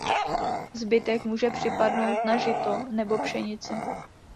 Zbytek může připadnout na žito nebo pšenici.